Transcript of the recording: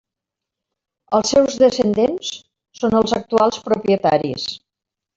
Els seus descendents són els actuals propietaris.